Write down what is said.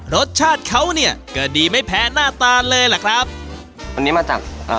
รสชาติเขาเนี่ยก็ดีไม่แพ้หน้าตาเลยล่ะครับอันนี้มาจากอ่า